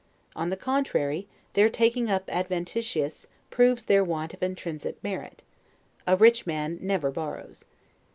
On the contrary, their taking up adventitious, proves their want of intrinsic merit; a rich man never borrows.